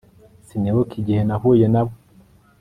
Sinibuka igihe nahuye nawe